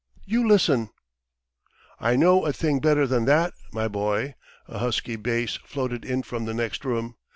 You listen!" "I know a thing better than that, my boy," a husky bass floated in from the next room.